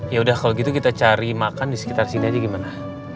ya udah kalau gitu kita cari makan di sekitar sini aja gimana